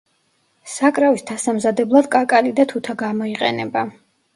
საკრავის დასამზადებლად კაკალი და თუთა გამოიყენება.